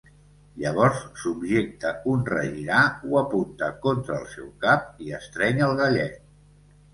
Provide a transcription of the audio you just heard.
Llavors, subjecta un regirar, ho apunta contra el seu cap, i estreny el gallet.